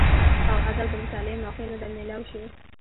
او ادب د مطالعې موقع نۀ ده ميلاو شوې